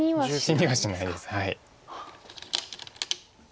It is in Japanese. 死にはしないです。